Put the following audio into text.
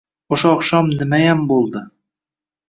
O’sha oqshom nimayam bo‘ldi